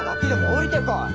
下りてこい！